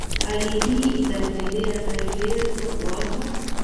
hali hii itaendelea naelezwa kwamba